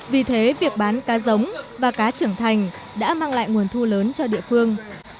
vì thế việc bán cá giống và cá trưởng thành đã mang lại nguồn thu lớn cho địa phương